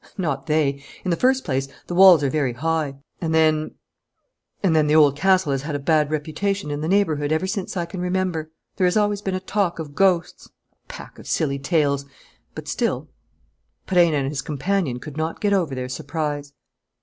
"Not they. In the first place, the walls are very high. And then and then the Old Castle has had a bad reputation in the neighbourhood ever since I can remember. There has always been a talk of ghosts: a pack of silly tales. But still " Perenna and his companion could not get over their surprise.